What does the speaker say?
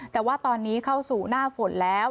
แต่ว่าตอนนี้เข้าสู่หน้าฝนแล้ว